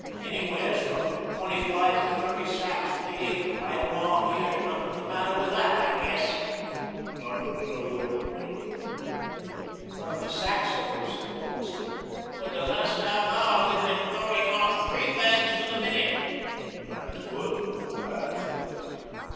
"Anywheres from twenty five to thirty sacks to the acre right along here; nothing the matter with THAT I guess." "Nothing in the world, Bill." One of the sack sewers interposed: "For the last half hour we've been throwing off three bags to the minute." "That's good, that's good."